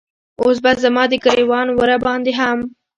اوس به زما د ګریوان وره باندې هم